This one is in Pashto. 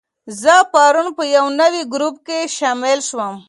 زه پرون په یو نوي ګروپ کې شامل شوم.